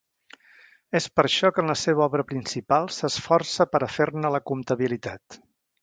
És per això que en la seva obra principal s'esforça per a fer-ne la compatibilitat.